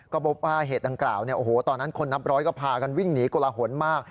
ก็พบว่าเหตุดังกล่าวตอนนั้นคนนับร้อยก็พากันวิ่งหนีกลหนมาก